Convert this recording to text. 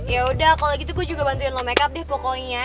yaudah kalo gitu gue juga bantuin lo makeup deh pokoknya